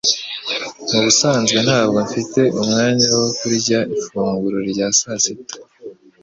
Mubusanzwe ntabwo mfite umwanya wo kurya ifunguro rya sasita